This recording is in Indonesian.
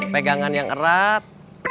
pegangan yang erat